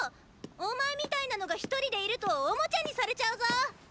お前みたいなのがひとりでいるとオモチャにされちゃうぞ！